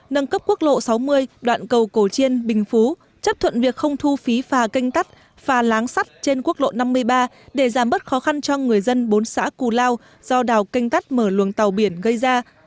nâng cấp quốc lộ sáu mươi đoạn cầu cổ chiên bình phú chấp thuận việc không thu phí phà canh tắc phà láng sắt trên quốc lộ năm mươi ba để giảm bớt khó khăn cho người dân bốn xã cù lao do đào canh tắt mở luồng tàu biển gây ra